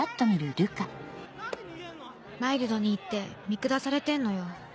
マイルドに言って見下されてんのよ。